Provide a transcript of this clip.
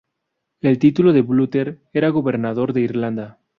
El título de Butler era Gobernador de Irlanda.